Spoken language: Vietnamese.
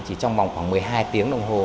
chỉ trong vòng khoảng một mươi hai tiếng đồng hồ